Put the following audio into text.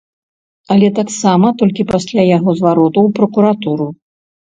Але таксама толькі пасля яго звароту ў пракуратуру.